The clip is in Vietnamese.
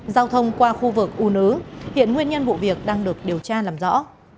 giao thông qua khu vực u nứ hiện nguyên nhân vụ việc đang được điều tra làm rõ